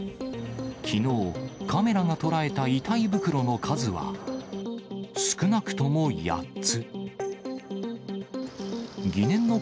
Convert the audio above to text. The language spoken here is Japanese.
きのう、カメラが捉えた遺体袋の数は少なくとも８つ。